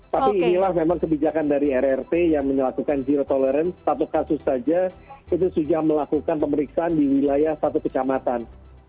tapi inilah memang kebijakan dari rrt yang melakukan zero tolerance satu kasus saja itu sudah melakukan pemeriksaan di wilayah satu kecamatan